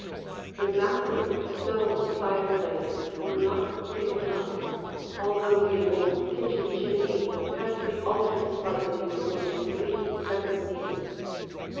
The massive stone fireplaces were not taken out, although the old kitchen chimney had to be altered slightly in order to meet present needs.